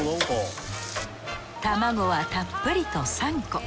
卵はたっぷりと３個。